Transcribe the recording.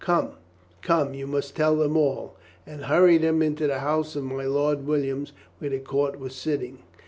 "Come, come, you must tell them all," and hurried him into the house of my Lord Williams, where the court was sitting.